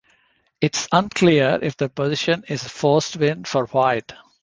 It is unclear if the position is a forced win for White.